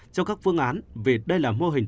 cho các phương án vì đây là mô hình